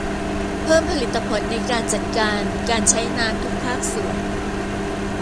เพิ่มผลิตผลในการจัดการการใช้น้ำทุกภาคส่วน